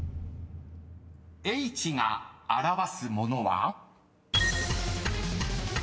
［Ｈが表すものは？］